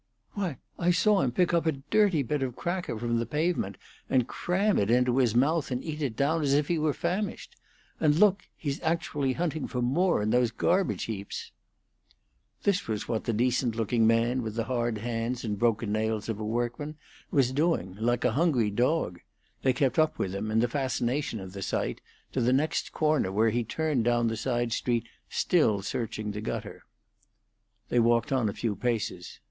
"Why, I saw him pick up a dirty bit of cracker from the pavement and cram it into his mouth and eat it down as if he were famished. And look! he's actually hunting for more in those garbage heaps!" This was what the decent looking man with the hard hands and broken nails of a workman was doing like a hungry dog. They kept up with him, in the fascination of the sight, to the next corner, where he turned down the side street still searching the gutter. They walked on a few paces.